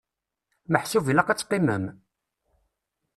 Meḥsub ilaq ad teqqimem?